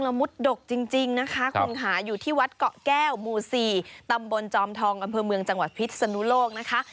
มุดดกจริงนะคะคุณค่ะอยู่ที่วัดเกาะแก้วหมู่๔ตำบลจอมทองอำเภอเมืองจังหวัดพิษนุโลกนะคะ